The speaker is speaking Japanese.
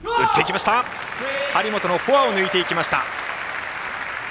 張本のフォアを抜いていきました。